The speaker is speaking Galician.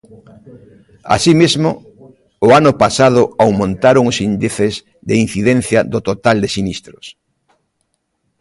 Así mesmo, o ano pasado aumentaron os índices de incidencia do total de sinistros.